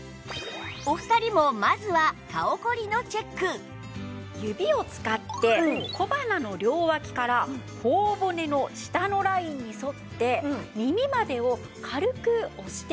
お二人もまずは指を使って小鼻の両脇から頬骨の下のラインに沿って耳までを軽く押してみてください。